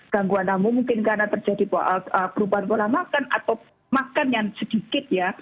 gangguan namun mungkin karena terjadi perubahan pola makan atau makan yang sedikit ya